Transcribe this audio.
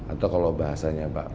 atau kalau bahasanya pak